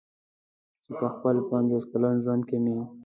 چې په خپل پنځوس کلن ژوند کې مې.